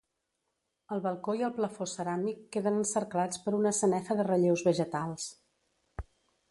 El balcó i el plafó ceràmic queden encerclats per una sanefa de relleus vegetals.